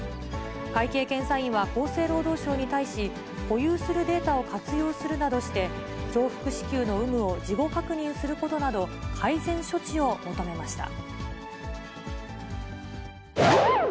会計検査院は厚生労働省に対し、保有するデータを活用するなどして、重複支給の有無を事後確認することなど、改善処置を求めました。